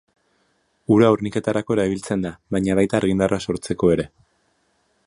Ura horniketarako erabiltzen da baina baita argindarra sortzeko ere.